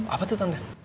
apa tuh tante